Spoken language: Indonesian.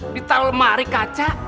di talemari kaca